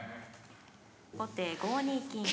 後手５二金。